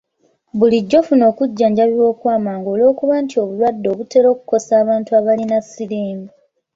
Bulijjo funa okujjanjabibwa okw’amangu olw’okuba nti obulwadde obutera okukosa abantu abalina siriimu .